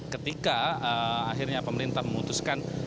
ketika akhirnya pemerintah memutuskan